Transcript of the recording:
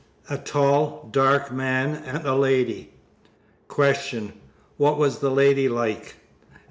A tall, dark man and a lady. Q. What was the lady like?